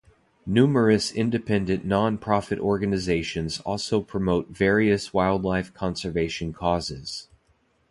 Numerous independent non-profit organizations also promote various wildlife conservation causes.